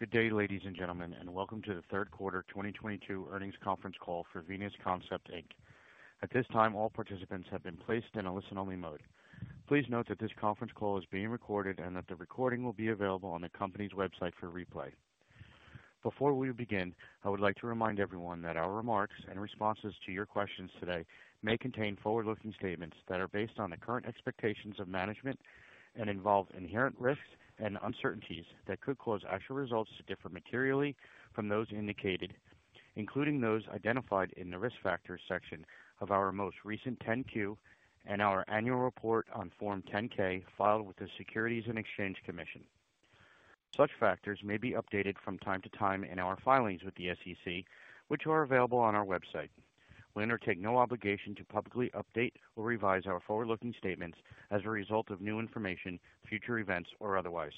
Good day, ladies and gentlemen, and welcome to the third quarter 2022 earnings conference call for Venus Concept Inc. At this time, all participants have been placed in a listen-only mode. Please note that this conference call is being recorded and that the recording will be available on the company's website for replay. Before we begin, I would like to remind everyone that our remarks and responses to your questions today may contain forward-looking statements that are based on the current expectations of management and involve inherent risks and uncertainties that could cause actual results to differ materially from those indicated, including those identified in the Risk Factors section of our most recent 10-Q and our annual report on Form 10-K filed with the Securities and Exchange Commission. Such factors may be updated from time to time in our filings with the SEC, which are available on our website. We undertake no obligation to publicly update or revise our forward-looking statements as a result of new information, future events, or otherwise.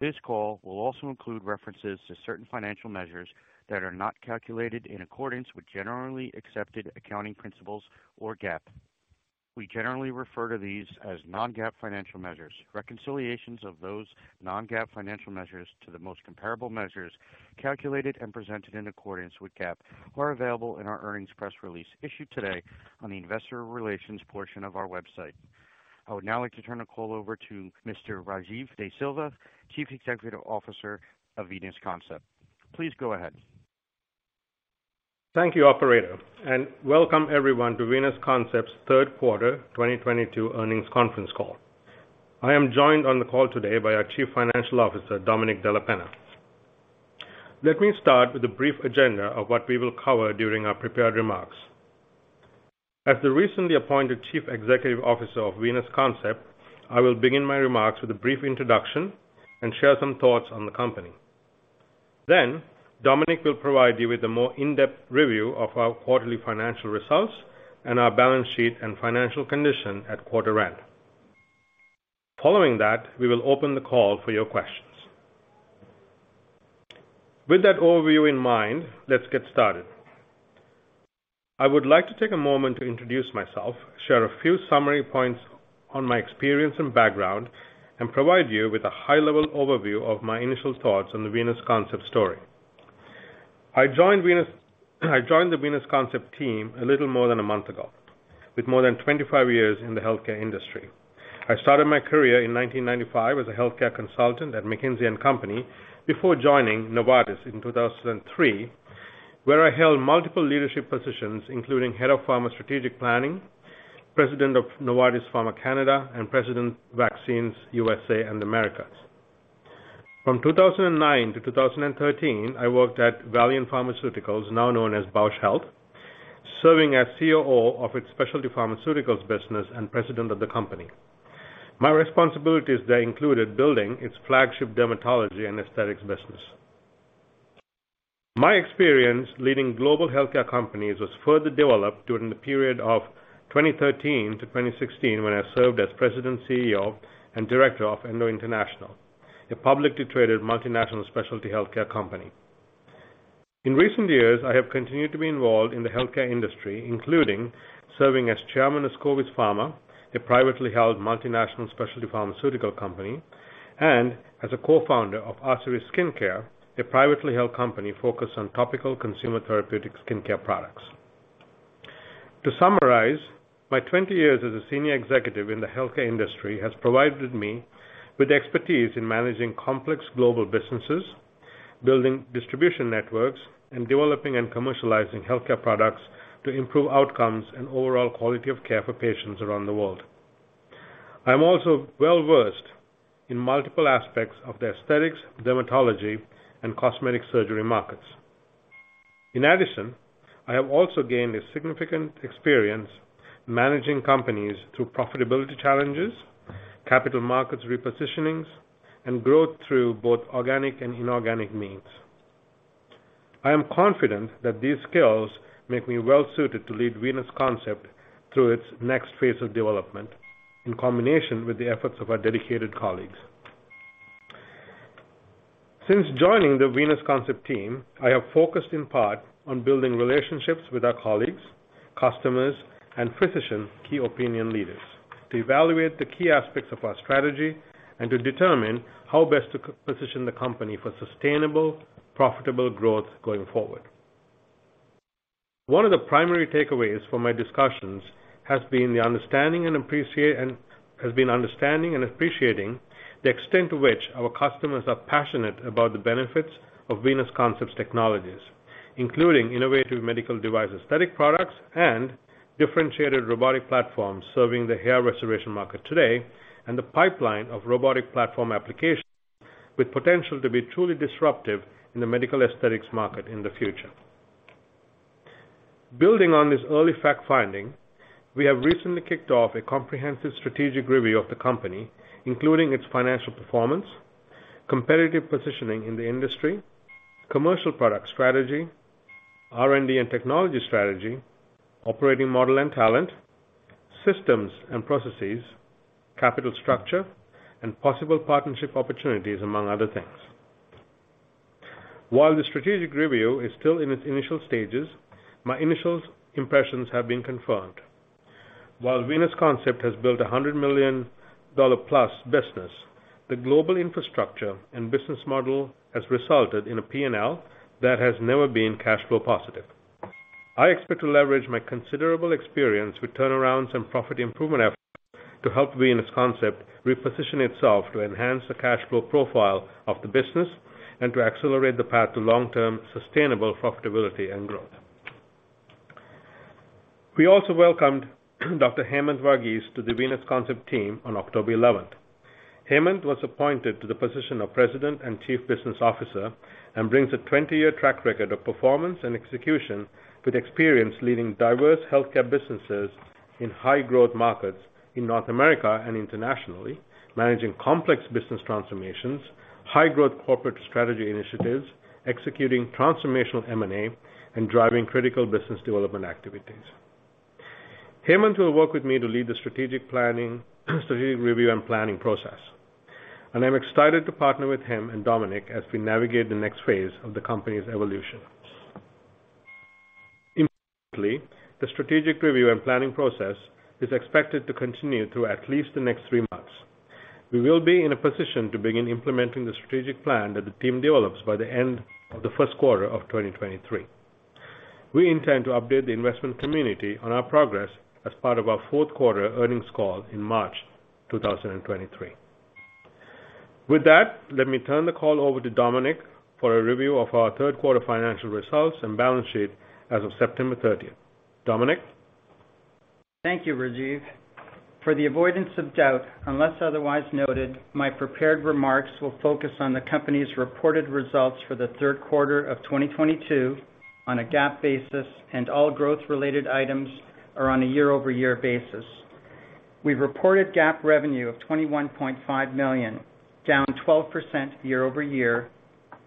This call will also include references to certain financial measures that are not calculated in accordance with generally accepted accounting principles or GAAP. We generally refer to these as non-GAAP financial measures. Reconciliations of those non-GAAP financial measures to the most comparable measures calculated and presented in accordance with GAAP are available in our earnings press release issued today on the investor relations portion of our website. I would now like to turn the call over to Mr. Rajiv De Silva, Chief Executive Officer of Venus Concept. Please go ahead. Thank you, operator, and welcome everyone to Venus Concept's third quarter 2022 earnings conference call. I am joined on the call today by our Chief Financial Officer, Domenic Della Penna. Let me start with a brief agenda of what we will cover during our prepared remarks. As the recently appointed Chief Executive Officer of Venus Concept, I will begin my remarks with a brief introduction and share some thoughts on the company. Then Domenic will provide you with a more in-depth review of our quarterly financial results and our balance sheet and financial condition at quarter end. Following that, we will open the call for your questions. With that overview in mind, let's get started. I would like to take a moment to introduce myself, share a few summary points on my experience and background, and provide you with a high-level overview of my initial thoughts on the Venus Concept story. I joined the Venus Concept team a little more than a month ago with more than 25 years in the healthcare industry. I started my career in 1995 as a healthcare consultant at McKinsey & Company before joining Novartis in 2003, where I held multiple leadership positions, including Head of Pharma Strategic Planning, President of Novartis Pharma Canada, and President Vaccines USA and Americas. From 2009 to 2013, I worked at Valeant Pharmaceuticals, now known as Bausch Health, serving as COO of its specialty pharmaceuticals business and president of the company. My responsibilities there included building its flagship dermatology and aesthetics business. My experience leading global healthcare companies was further developed during the period of 2013 to 2016 when I served as President, CEO, and Director of Endo International, a publicly-traded multinational specialty healthcare company. In recent years, I have continued to be involved in the healthcare industry, including serving as chairman of Covis Pharma, a privately-held multinational specialty pharmaceutical company, and as a co-founder of Artery Skincare, a privately-held company focused on topical consumer therapeutic skincare products. To summarize, my 20 years as a senior executive in the healthcare industry has provided me with expertise in managing complex global businesses, building distribution networks, and developing and commercializing healthcare products to improve outcomes and overall quality of care for patients around the world. I'm also well-versed in multiple aspects of the aesthetics, dermatology, and cosmetic surgery markets. In addition, I have also gained a significant experience managing companies through profitability challenges, capital markets repositionings, and growth through both organic and inorganic means. I am confident that these skills make me well suited to lead Venus Concept through its next phase of development in combination with the efforts of our dedicated colleagues. Since joining the Venus Concept team, I have focused in part on building relationships with our colleagues, customers, and physician key opinion leaders to evaluate the key aspects of our strategy and to determine how best to position the company for sustainable, profitable growth going forward. One of the primary takeaways from my discussions has been understanding and appreciating the extent to which our customers are passionate about the benefits of Venus Concept's technologies, including innovative medical device aesthetic products and differentiated robotic platforms serving the hair restoration market today and the pipeline of robotic platform applications with potential to be truly disruptive in the medical aesthetics market in the future. Building on this early fact-finding, we have recently kicked off a comprehensive strategic review of the company, including its financial performance, competitive positioning in the industry, commercial product strategy, R&D and technology strategy, operating model and talent, systems and processes, capital structure, and possible partnership opportunities, among other things. While the strategic review is still in its initial stages, my initial impressions have been confirmed. While Venus Concept has built a $100 million+ business, the global infrastructure and business model has resulted in a P&L that has never been cash flow positive. I expect to leverage my considerable experience with turnarounds and profit improvement efforts to help Venus Concept reposition itself to enhance the cash flow profile of the business and to accelerate the path to long-term sustainable profitability and growth. We also welcomed Dr. Hemanth Varghese to the Venus Concept team on October 11th. Hemanth was appointed to the position of President and Chief Business Officer and brings a 20-year track record of performance and execution, with experience leading diverse healthcare businesses in high growth markets in North America and internationally, managing complex business transformations, high growth corporate strategy initiatives, executing transformational M&A, and driving critical business development activities. Hemanth will work with me to lead the strategic review and planning process, and I'm excited to partner with him and Domenic as we navigate the next phase of the company's evolution. Importantly, the strategic review and planning process is expected to continue through at least the next three months. We will be in a position to begin implementing the strategic plan that the team develops by the end of the first quarter of 2023. We intend to update the investment community on our progress as part of our fourth quarter earnings call in March 2023. With that, let me turn the call over to Domenic for a review of our third quarter financial results and balance sheet as of September 30th. Domenic? Thank you, Rajiv. For the avoidance of doubt, unless otherwise noted, my prepared remarks will focus on the company's reported results for the third quarter of 2022 on a GAAP basis, and all growth-related items are on a year-over-year basis. We've reported GAAP revenue of $21.5 million, down 12% year-over-year.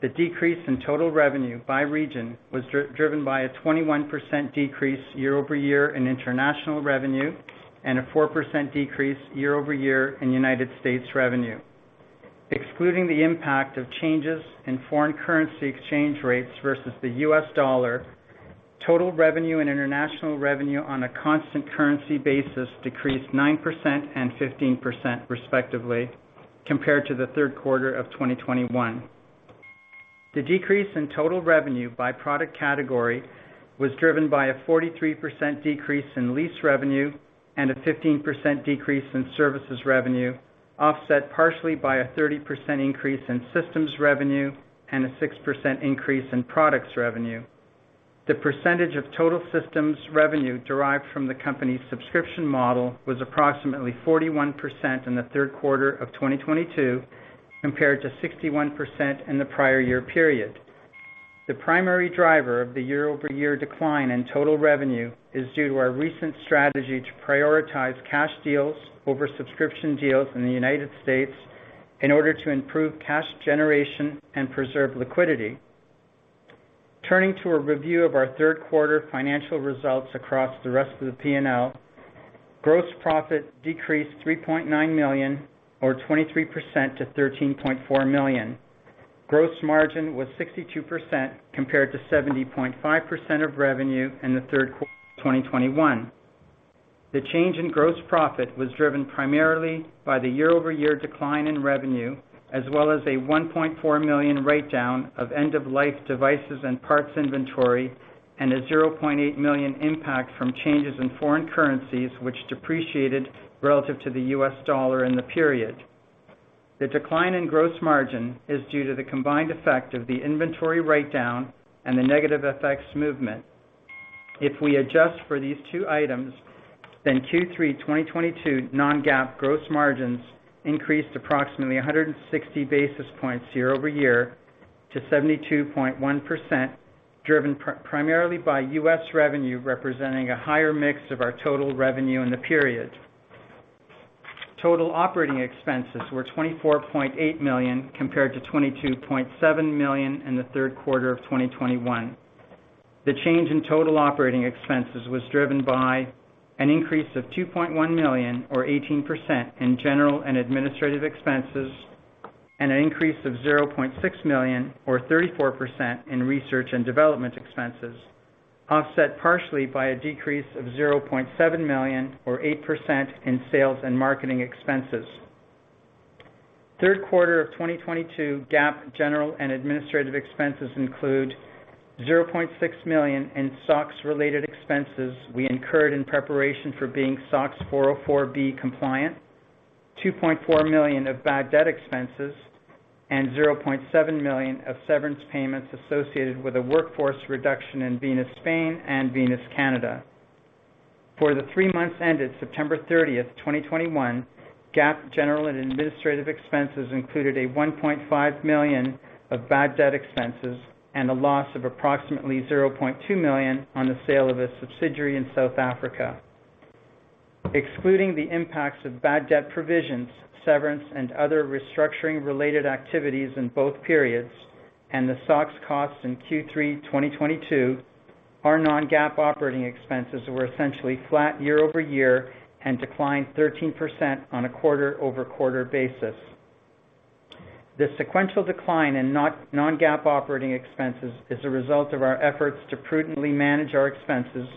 The decrease in total revenue by region was driven by a 21% decrease year-over-year in international revenue and a 4% decrease year-over-year in United States revenue. Excluding the impact of changes in foreign currency exchange rates versus the US dollar, total revenue and international revenue on a constant currency basis decreased 9% and 15% respectively compared to the third quarter of 2021. The decrease in total revenue by product category was driven by a 43% decrease in lease revenue and a 15% decrease in services revenue, offset partially by a 30% increase in systems revenue and a 6% increase in products revenue. The percentage of total systems revenue derived from the company's subscription model was approximately 41% in the third quarter of 2022, compared to 61% in the prior year period. The primary driver of the year-over-year decline in total revenue is due to our recent strategy to prioritize cash deals over subscription deals in the United States in order to improve cash generation and preserve liquidity. Turning to a review of our third quarter financial results across the rest of the P&L, gross profit decreased $3.9 million or 23% to $13.4 million. Gross margin was 62% compared to 70.5% of revenue in the third quarter of 2021. The change in gross profit was driven primarily by the year-over-year decline in revenue, as well as a $1.4 million write-down of end-of-life devices and parts inventory, and a $0.8 million impact from changes in foreign currencies, which depreciated relative to the US dollar in the period. The decline in gross margin is due to the combined effect of the inventory write-down and the negative FX movement. If we adjust for these two items, then Q3 2022 non-GAAP gross margins increased approximately 160 basis points year-over-year to 72.1%, driven primarily by U.S. revenue, representing a higher mix of our total revenue in the period. Total operating expenses were $24.8 million compared to $22.7 million in the third quarter of 2021. The change in total operating expenses was driven by an increase of $2.1 million or 18% in general and administrative expenses, and an increase of $0.6 million or 34% in research and development expenses, offset partially by a decrease of $0.7 million or 8% in sales and marketing expenses. Third quarter of 2022 GAAP general and administrative expenses include $0.6 million in SOX-related expenses we incurred in preparation for being SOX 404(b) compliant, $2.4 million of bad debt expenses, and $0.7 million of severance payments associated with a workforce reduction in Venus Concept Spain and Venus Concept Canada. For the three months ended September 30th, 2021, GAAP general and administrative expenses included $1.5 million of bad debt expenses and a loss of approximately $0.2 million on the sale of a subsidiary in South Africa. Excluding the impacts of bad debt provisions, severance, and other restructuring-related activities in both periods, and the SOX costs in Q3 2022. Our non-GAAP operating expenses were essentially flat year-over-year and declined 13% on a quarter-over-quarter basis. The sequential decline in non-GAAP operating expenses is a result of our efforts to prudently manage our expenses,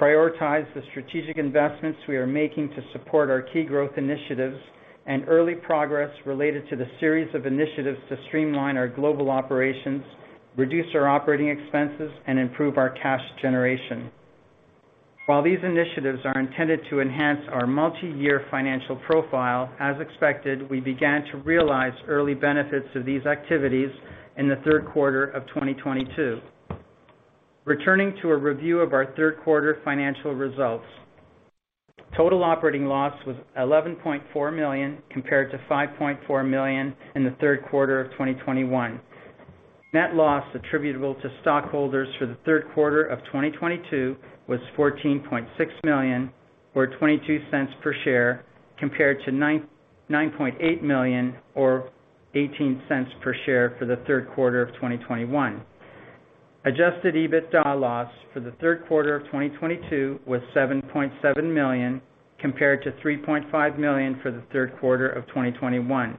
prioritize the strategic investments we are making to support our key growth initiatives, and early progress related to the series of initiatives to streamline our global operations, reduce our operating expenses, and improve our cash generation. While these initiatives are intended to enhance our multiyear financial profile, as expected, we began to realize early benefits of these activities in the third quarter of 2022. Returning to a review of our third quarter financial results. Total operating loss was $11.4 million compared to $5.4 million in the third quarter of 2021. Net loss attributable to stockholders for the third quarter of 2022 was $14.6 million or $0.22 per share, compared to $9.8 million or $0.18 per share for the third quarter of 2021. Adjusted EBITDA loss for the third quarter of 2022 was $7.7 million compared to $3.5 million for the third quarter of 2021.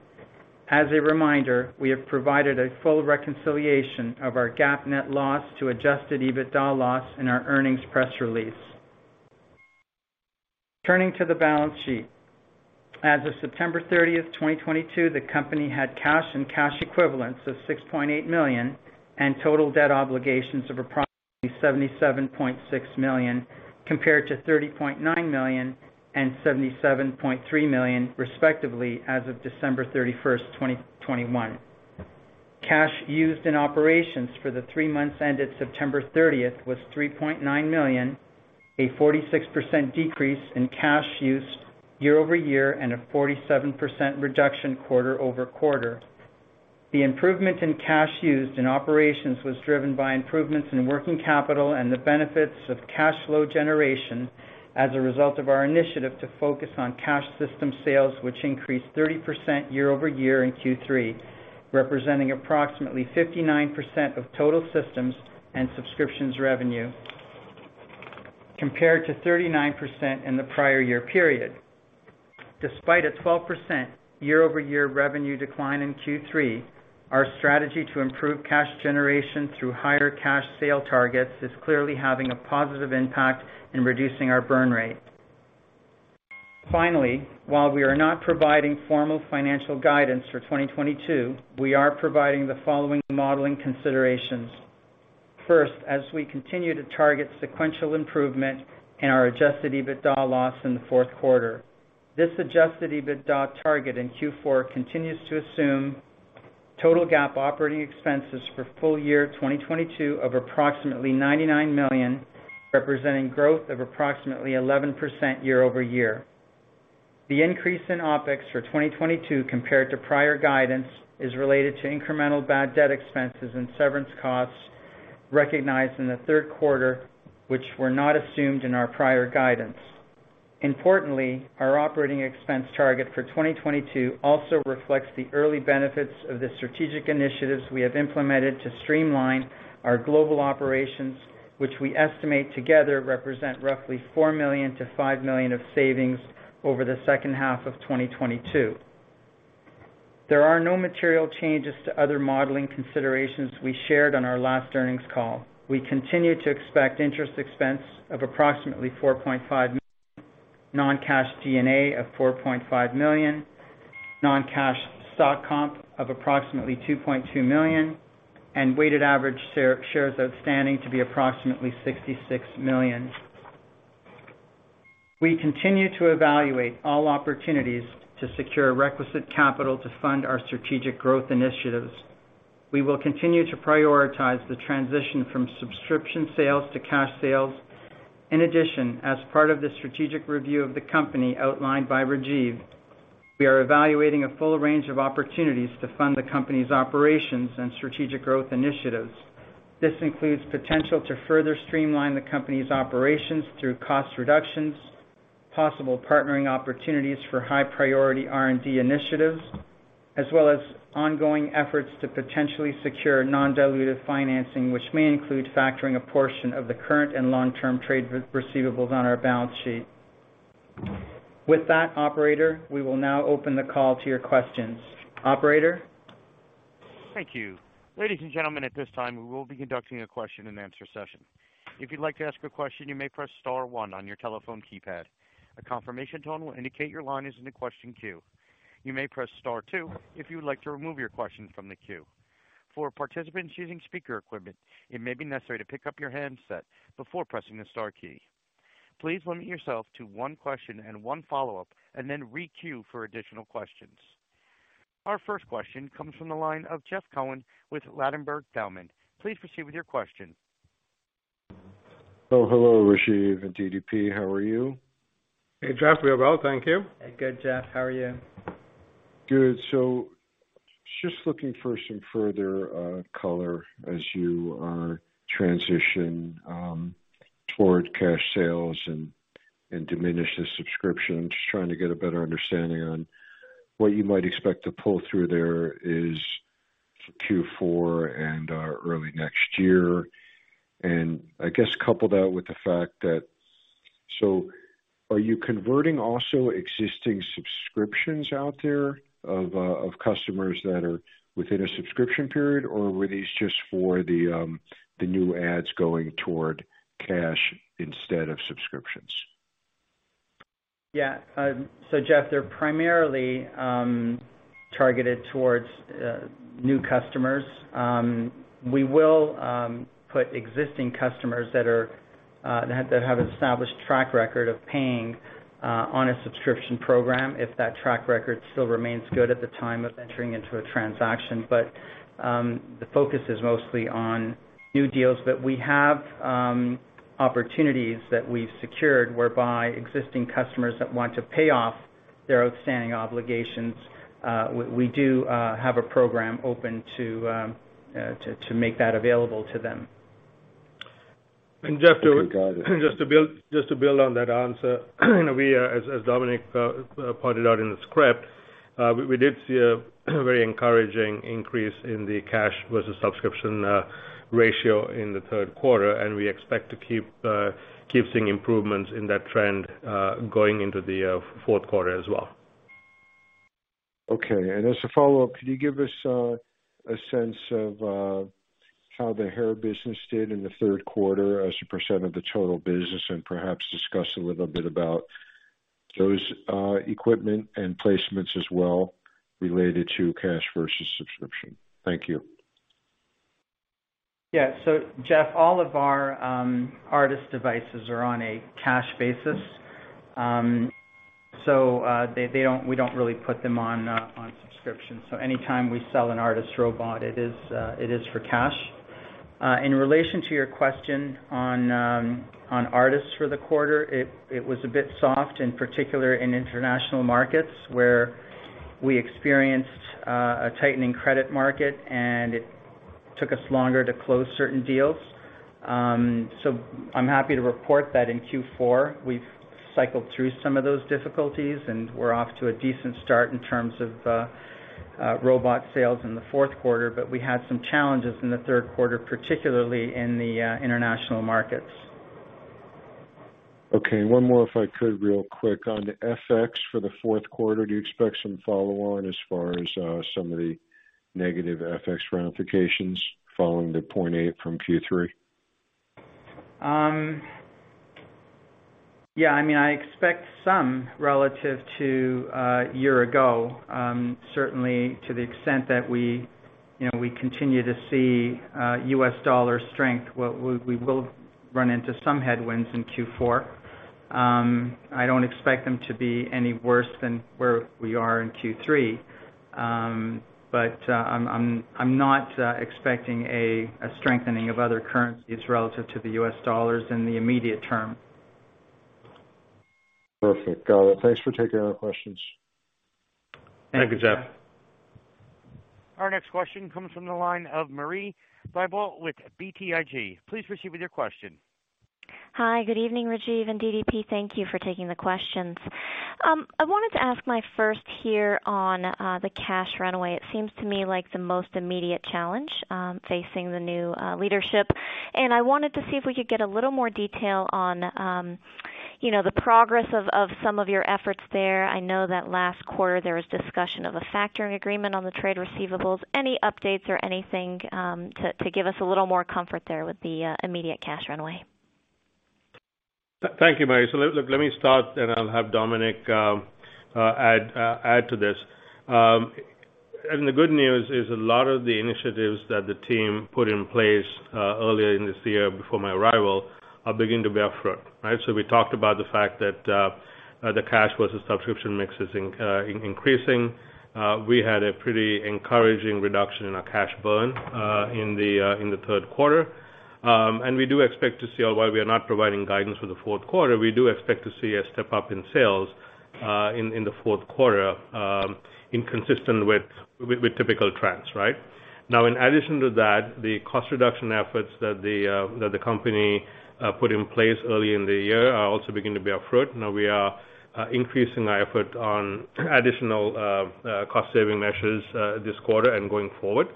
As a reminder, we have provided a full reconciliation of our GAAP net loss to adjusted EBITDA loss in our earnings press release. Turning to the balance sheet. As of September 30th, 2022, the company had cash and cash equivalents of $6.8 million and total debt obligations of approximately $77.6 million, compared to $30.9 million and $77.3 million, respectively, as of December 31, 2021. Cash used in operations for the three months ended September 30th was $3.9 million, a 46% decrease in cash used year over year and a 47% reduction quarter-over-quarter. The improvement in cash used in operations was driven by improvements in working capital and the benefits of cash flow generation as a result of our initiative to focus on cash system sales, which increased 30% year-over-year in Q3, representing approximately 59% of total systems and subscriptions revenue compared to 39% in the prior year period. Despite a 12% year-over-year revenue decline in Q3, our strategy to improve cash generation through higher cash sale targets is clearly having a positive impact in reducing our burn rate. Finally, while we are not providing formal financial guidance for 2022, we are providing the following modeling considerations. First, as we continue to target sequential improvement in our adjusted EBITDA loss in the fourth quarter, this adjusted EBITDA target in Q4 continues to assume total GAAP operating expenses for full year 2022 of approximately $99 million, representing growth of approximately 11% year-over-year. The increase in OpEx for 2022 compared to prior guidance is related to incremental bad debt expenses and severance costs recognized in the third quarter, which were not assumed in our prior guidance. Importantly, our operating expense target for 2022 also reflects the early benefits of the strategic initiatives we have implemented to streamline our global operations, which we estimate together represent roughly $4 million-$5 million of savings over the second half of 2022. There are no material changes to other modeling considerations we shared on our last earnings call. We continue to expect interest expense of approximately $4.5 million, non-cash G&A of $4.5 million, non-cash stock comp of approximately $2.2 million, and weighted average shares outstanding to be approximately 66 million. We continue to evaluate all opportunities to secure requisite capital to fund our strategic growth initiatives. We will continue to prioritize the transition from subscription sales to cash sales. In addition, as part of the strategic review of the company outlined by Rajiv, we are evaluating a full range of opportunities to fund the company's operations and strategic growth initiatives. This includes potential to further streamline the company's operations through cost reductions, possible partnering opportunities for high priority R&D initiatives, as well as ongoing efforts to potentially secure non-dilutive financing, which may include factoring a portion of the current and long-term trade receivables on our balance sheet. With that operator, we will now open the call to your questions. Operator? Thank you. Ladies and gentlemen, at this time, we will be conducting a question-and-answer session. If you'd like to ask a question, you may press star one on your telephone keypad. A confirmation tone will indicate your line is in the question queue. You may press star two if you would like to remove your question from the queue. For participants using speaker equipment, it may be necessary to pick up your handset before pressing the star key. Please limit yourself to one question and one follow-up and then re-queue for additional questions. Our first question comes from the line of Jeff Cohen with Ladenburg Thalmann. Please proceed with your question. Oh, hello, Rajiv and DDP. How are you? Hey, Jeff. We are well, thank you. Good, Jeff. How are you? Good. Just looking for some further color as you transition toward cash sales and diminish the subscription. Just trying to get a better understanding on what you might expect to pull through there in Q4 and early next year. I guess couple that with the fact that— Are you converting also existing subscriptions out there of customers that are within a subscription period, or were these just for the new adds going toward cash instead of subscriptions? Yeah. Jeff, they're primarily targeted towards new customers. We will put existing customers that have an established track record of paying on a subscription program if that track record still remains good at the time of entering into a transaction. The focus is mostly on new deals that we have opportunities that we've secured whereby existing customers that want to pay off their outstanding obligations, we do have a program open to make that available to them. Jeff, just to build on that answer, we, as Domenic pointed out in the script, we did see a very encouraging increase in the cash versus subscription ratio in the third quarter, and we expect to keep seeing improvements in that trend going into the fourth quarter as well. Okay. As a follow-up, could you give us a sense of how the hair business did in the third quarter as a percent of the total business, and perhaps discuss a little bit about those equipment and placements as well related to cash versus subscription? Thank you. Yeah. Jeff, all of our ARTAS devices are on a cash basis. We don't really put them on subscription. Anytime we sell an ARTAS robot, it is for cash. In relation to your question on ARTAS for the quarter, it was a bit soft, in particular in international markets, where we experienced a tightening credit market, and it took us longer to close certain deals. I'm happy to report that in Q4, we've cycled through some of those difficulties, and we're off to a decent start in terms of robot sales in the fourth quarter. We had some challenges in the third quarter, particularly in the international markets. Okay. One more if I could, real quick. On the FX for the fourth quarter, do you expect some follow-on as far as some of the negative FX ramifications following the 0.8 from Q3? Yeah, I mean, I expect some relative to a year ago. Certainly to the extent that we, you know, we continue to see US dollar strength. We will run into some headwinds in Q4. I don't expect them to be any worse than where we are in Q3. I'm not expecting a strengthening of other currencies relative to the US dollar in the immediate term. Perfect. Got it. Thanks for taking our questions. Thank you, Jeff. Our next question comes from the line of Marie Thibault with BTIG. Please proceed with your question. Hi, good evening, Rajiv and DDP. Thank you for taking the questions. I wanted to ask my first question here on the cash runway. It seems to me like the most immediate challenge facing the new leadership, and I wanted to see if we could get a little more detail on, you know, the progress of some of your efforts there. I know that last quarter there was discussion of a factoring agreement on the trade receivables. Any updates or anything to give us a little more comfort there with the immediate cash runway? Thank you, Marie. Let me start, and I'll have Domenic add to this. The good news is a lot of the initiatives that the team put in place earlier in this year before my arrival are beginning to bear fruit. Right? We talked about the fact that the cash versus subscription mix is increasing. We had a pretty encouraging reduction in our cash burn in the third quarter. While we are not providing guidance for the fourth quarter, we do expect to see a step up in sales in the fourth quarter inconsistent with typical trends, right? Now, in addition to that, the cost reduction efforts that the company put in place early in the year are also beginning to bear fruit. Now we are increasing our effort on additional cost saving measures this quarter and going forward.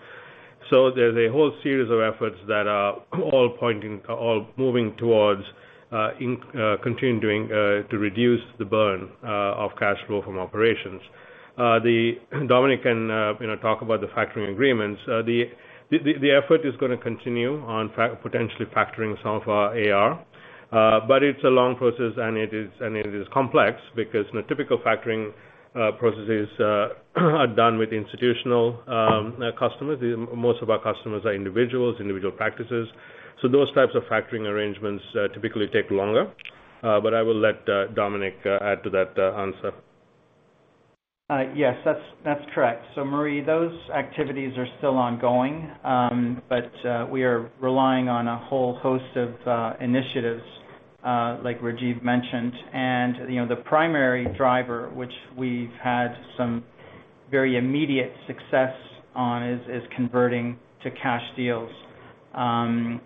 There's a whole series of efforts that are all pointing, all moving towards continuing to reduce the burn of cash flow from operations. Domenic can you know talk about the factoring agreements. The effort is gonna continue on potentially factoring some of our AR, but it's a long process and it is complex because in a typical factoring processes are done with institutional customers. The most of our customers are individuals, individual practices. Those types of factoring arrangements typically take longer. I will let Domenic add to that answer. Yes, that's correct. Marie, those activities are still ongoing, but we are relying on a whole host of initiatives, like Rajiv mentioned. You know, the primary driver, which we've had some very immediate success on is converting to cash deals. Again,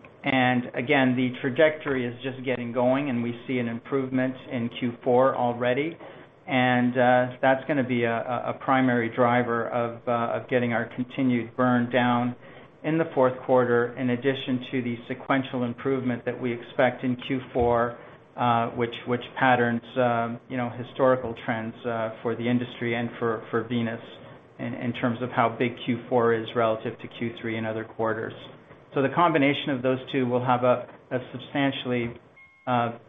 the trajectory is just getting going and we see an improvement in Q4 already. That's gonna be a primary driver of getting our continued burn down in the fourth quarter in addition to the sequential improvement that we expect in Q4, which patterns, you know, historical trends for the industry and for Venus in terms of how big Q4 is relative to Q3 and other quarters. The combination of those two will have a substantially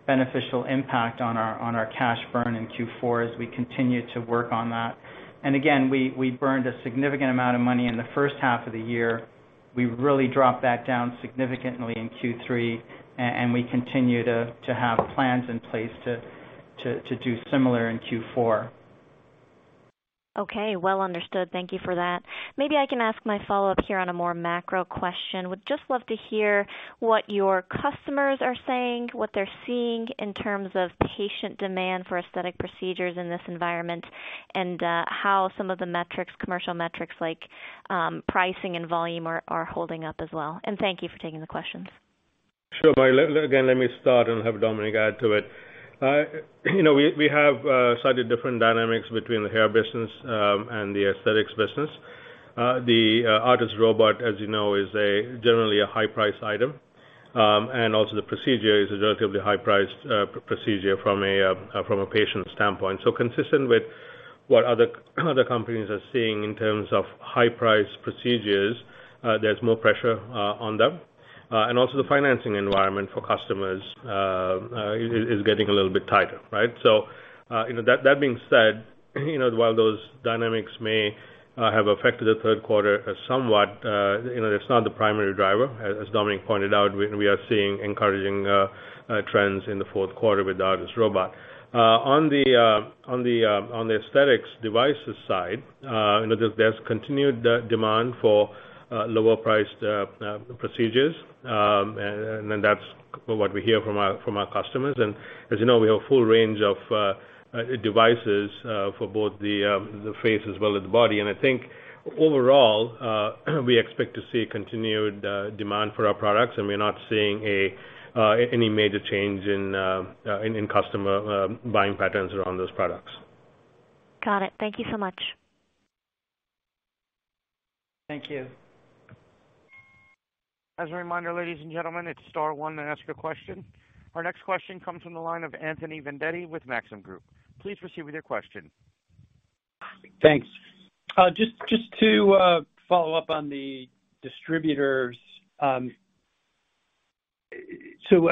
beneficial impact on our cash burn in Q4 as we continue to work on that. Again, we burned a significant amount of money in the first half of the year. We really dropped that down significantly in Q3, and we continue to have plans in place to do similar in Q4. Okay, well understood. Thank you for that. Maybe I can ask my follow-up here on a more macro question. Would just love to hear what your customers are saying, what they're seeing in terms of patient demand for aesthetic procedures in this environment, and how some of the metrics, commercial metrics like pricing and volume are holding up as well. Thank you for taking the questions. Sure, Marie. Again, let me start and have Domenic add to it. You know, we have slightly different dynamics between the hair business and the aesthetics business. The ARTAS Robot, as you know, is generally a high-price item. And also the procedure is a relatively high-priced procedure from a patient standpoint. Consistent with what other companies are seeing in terms of high-price procedures, there's more pressure on them. And also the financing environment for customers is getting a little bit tighter, right? You know, that being said, you know, while those dynamics may have affected the third quarter somewhat, you know, it's not the primary driver. As Domenic pointed out, we are seeing encouraging trends in the fourth quarter with the ARTAS Robot. On the aesthetics devices side, you know, there's continued demand for lower-priced procedures. That's what we hear from our customers. As you know, we have a full range of devices for both the face as well as the body. I think overall, we expect to see continued demand for our products, and we're not seeing any major change in customer buying patterns around those products. Got it. Thank you so much. Thank you. As a reminder, ladies and gentlemen, it's star one to ask a question. Our next question comes from the line of Anthony Vendetti with Maxim Group. Please proceed with your question. Thanks. Just to follow up on the distributors. I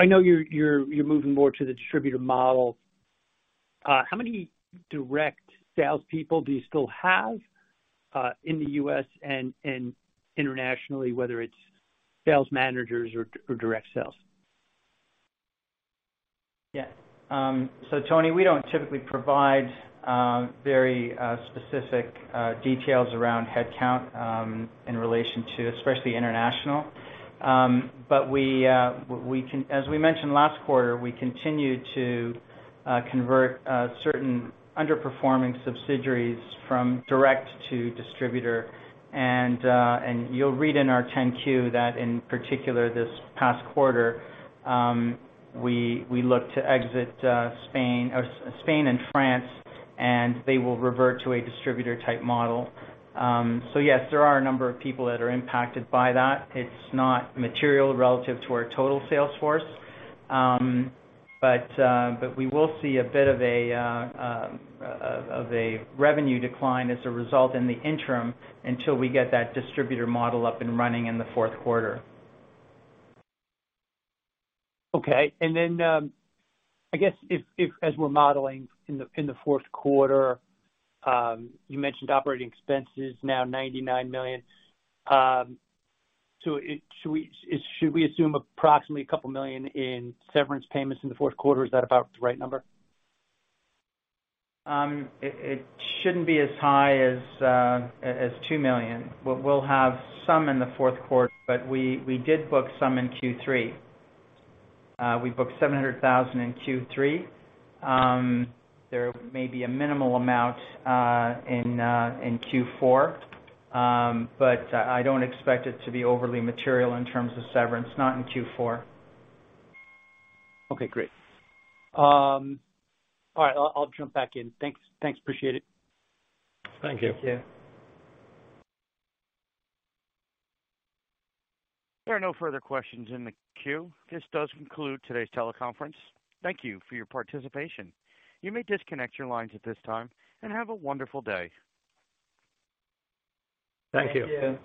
know you're moving more to the distributor model. How many direct salespeople do you still have in the U.S. and internationally, whether it's sales managers or direct sales? Yeah. So Tony, we don't typically provide very specific details around headcount in relation to especially international. But as we mentioned last quarter, we continue to convert certain underperforming subsidiaries from direct to distributor. You'll read in our 10-Q that in particular this past quarter, we look to exit Spain and France, and they will revert to a distributor-type model. Yes, there are a number of people that are impacted by that. It's not material relative to our total sales force. We will see a bit of a revenue decline as a result in the interim until we get that distributor model up and running in the fourth quarter. Okay. I guess if as we're modeling in the fourth quarter, you mentioned operating expenses now $99 million. Should we assume approximately a couple of million in severance payments in the fourth quarter? Is that about the right number? It shouldn't be as high as $2 million. We'll have some in the fourth quarter, but we did book some in Q3. We booked $700,000 in Q3. There may be a minimal amount in Q4. I don't expect it to be overly material in terms of severance, not in Q4. Okay, great. All right, I'll jump back in. Thanks. Appreciate it. Thank you. Thank you. There are no further questions in the queue. This does conclude today's teleconference. Thank you for your participation. You may disconnect your lines at this time, and have a wonderful day. Thank you. Thank you.